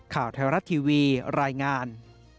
ข่าวไทยรัฐทีวีรายงาน